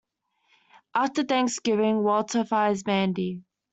After thanksgiving Walter fires Mandy.